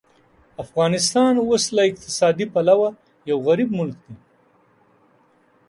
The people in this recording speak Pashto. افغانستان اوس له اقتصادي پلوه یو غریب ملک دی.